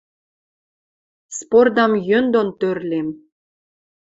Спордам йӧн дон тӧрлем.